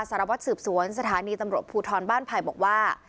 สารวัตรสืบสวนสถานีตำรวจภูทรบ้านไผ่บอกว่า